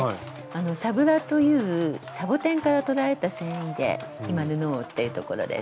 「サブラ」というサボテンから取られた繊維で今布を織っているところです。